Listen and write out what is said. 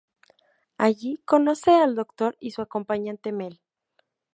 Allí, conoce al Doctor y su acompañante Mel.